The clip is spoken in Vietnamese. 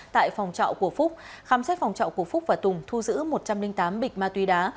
tại phòng trọ của phúc khám xét phòng trọ của phúc và tùng thu giữ một trăm linh tám bịch ma túy đá